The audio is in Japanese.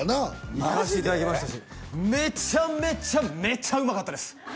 行かせていただきましたしめちゃめちゃめちゃうまかったです！